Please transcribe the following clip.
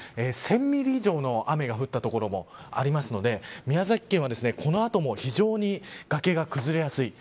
１０００ミリ以上の雨が降った所もありますので宮崎県は、この後も非常に崖が崩れやすい。